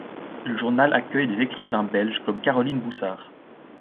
Le journal accueille des écrivains belges, comme Caroline Boussart.